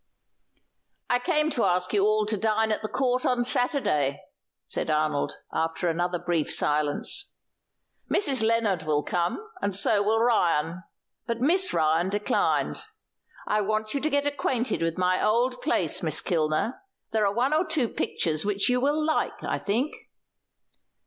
"I came to ask you all to dine at the Court on Saturday," said Arnold, after another brief silence. "Mrs. Lennard will come, and so will Ryan; but Miss Ryan declined. I want you to get acquainted with my old place, Miss Kilner; there are one or two pictures which you will like, I think."